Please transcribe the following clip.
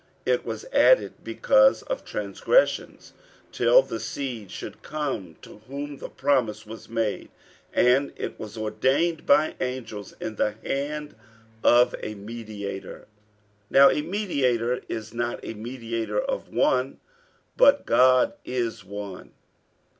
It was added because of transgressions, till the seed should come to whom the promise was made; and it was ordained by angels in the hand of a mediator. 48:003:020 Now a mediator is not a mediator of one, but God is one.